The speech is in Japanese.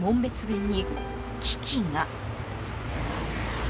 便に危機が。